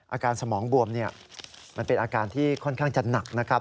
สมองบวมมันเป็นอาการที่ค่อนข้างจะหนักนะครับ